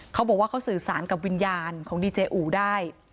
เขาบอกว่าเขาสื่อสารกับวิญญาณของดีเจอูได้